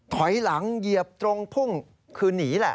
ถอยหลังเหยียบตรงพุ่งคือหนีแหละ